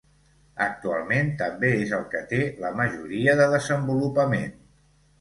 Actualment també és el que té la majoria de desenvolupament.